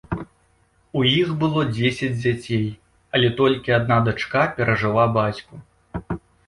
У іх было дзесяць дзяцей, але толькі адна дачка перажыла бацьку.